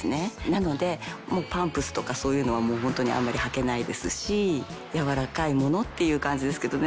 なのでパンプスとかそういうのはホントにあんまり履けないですし柔らかいものっていう感じですけどね。